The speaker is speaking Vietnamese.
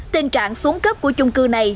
tình trạng xuống cấp của chung cư này